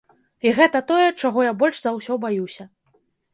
І гэта тое, чаго я больш за ўсё баюся.